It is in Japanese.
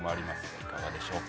いかがでしょうか？